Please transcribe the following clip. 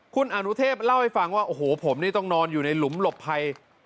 คุณอนุเทพเล่าให้ฟังว่าโอ้โหผมนี่ต้องนอนอยู่ในหลุมหลบภัย